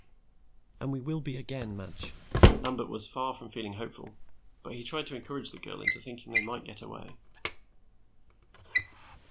"And we will be again, Madge." Lambert was far from feeling hopeful, but he tried to encourage the girl into thinking they might get away.